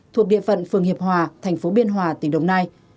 thuộc địa phận phường hiệp hòa thành phố biên hòa tỉnh đồng nai